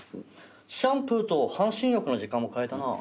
シャンプーと半身浴の時間もかえたな。